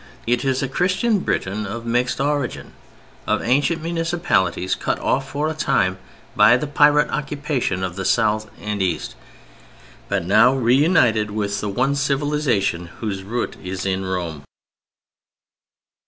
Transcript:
It is a Christian Britain of mixed origin, of ancient municipalities cut off for a time by the Pirate occupation of the South and East, but now reunited with the one civilization whose root is in Rome.